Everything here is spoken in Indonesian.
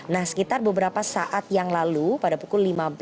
nah sekitar beberapa saat yang lalu pada pukul lima belas